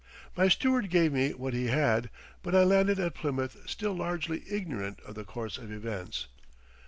My steward gave me what he had, but I landed at Plymouth still largely ignorant of the course of events.